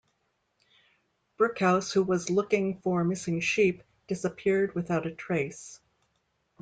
Brookhouse who was looking for missing sheep disappeared without a trace.